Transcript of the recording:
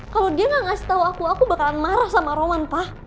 kalau dia nggak ngasih tahu aku aku bakalan marah sama roman pak